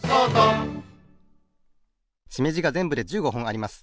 しめじがぜんぶで１５ほんあります。